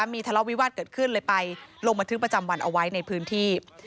มีทะเลาะวิวาสเกิดขึ้นเลยไปลงบันทึกประจำวันเอาไว้ในพื้นที่